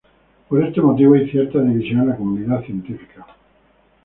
Por este motivo, hay cierta división en la comunidad científica.